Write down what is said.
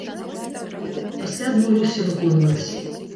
А пасля адмовіўся выконваць.